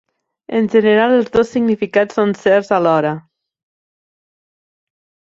En general, els dos significats són certs alhora.